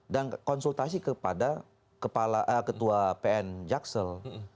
dan konsultasi kepada ketua pn jaksal